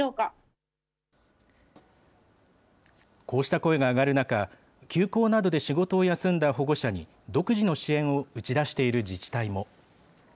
こうした声が上がる中、休校などで仕事を休んだ保護者に、独自の支援を打ち出している自治体も。